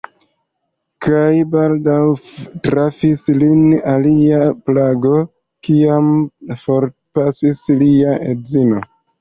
Kaj baldaŭ trafis lin alia plago, kiam forpasis lia edzino.